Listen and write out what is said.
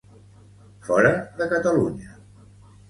Fora de Catalunya.